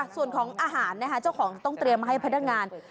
ส่วนของอาหารนะคะเจ้าของต้องเตรียมมาให้พนักงาน